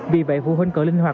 vì vậy vụ huynh cỡ linh hoàng